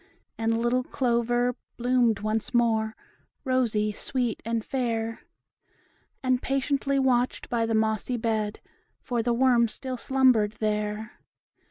And little Clover bloomed once more, Rosy, and sweet, and fair, And patiently watched by the mossy bed, For the worm still slumbered there.